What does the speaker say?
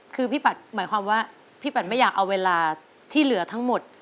คือพี่ปัดหมายความว่าพี่ปัดไม่อยากเอาเวลาที่เหลือทั้งหมด